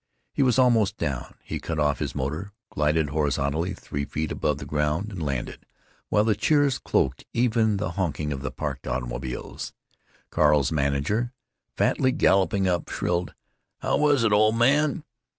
He was almost down. He cut off his motor, glided horizontally three feet above the ground, and landed, while the cheers cloaked even the honking of the parked automobiles. Carl's manager, fatly galloping up, shrilled, "How was it, old man?"